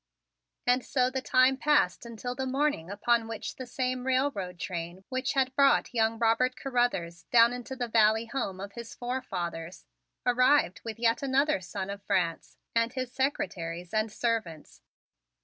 And so the time passed until the morning upon which the same railroad train which had brought young Robert Carruthers down into the valley home of his forefathers, arrived with yet another son of France and his secretaries and servants.